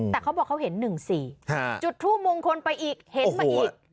แต่เขาบอกเขาเห็นหนึ่งสี่จุดทูมวงคนไปอีกเห็นมาอีก